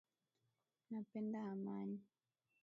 Napenda amani